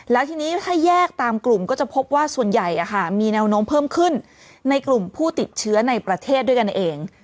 แล้วทีนี้ถ้าแยกตามกลุ่มก็จะพบว่าส่วนใหญ่มีแนวโน้มเพิ่มขึ้นในกลุ่มผู้ติดเชื้อในประเทศด้วยกันเอง